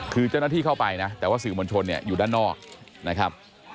คือเจ้าหน้าที่เข้าไปนะแต่ว่าสื่อมวลชนเนี่ยอยู่ด้านนอกนะครับ